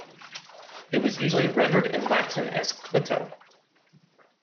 It was usually rendered in Latin as "clito".